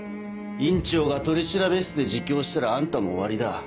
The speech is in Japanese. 院長が取調室で自供したらあんたも終わりだ。